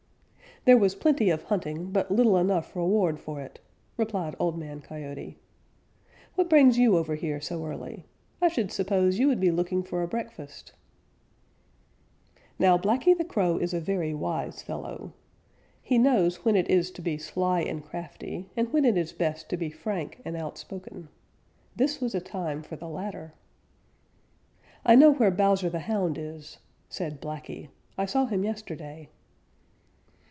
"There was plenty of hunting, but little enough reward for it," replied Old Man Coyote. "What brings you over here so early? I should suppose you would be looking for a breakfast." Now Blacky the Crow is a very wise fellow. He knows when it is to be sly and crafty and when it is best to be frank and out spoken. This was a time for the latter. "I know where Bowser the Hound is," said Blacky. "I saw him yesterday."